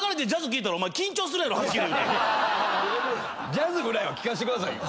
ジャズぐらいは聞かせてくださいよ。